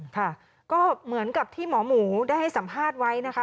ค่ะก็เหมือนกับที่หมอหมูได้ให้สัมภาษณ์ไว้นะคะ